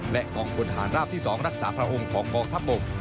และองค์คนหางราวที่สองรักษาพระองค์ของกองทัพบ่ม